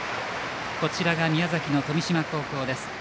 こちらが宮崎の富島高校です。